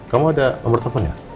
kamu ada nomer telepon ya